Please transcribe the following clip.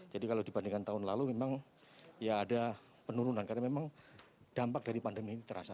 jadi kalau dibandingkan tahun lalu memang ya ada penurunan karena memang dampak dari pandemi ini terasa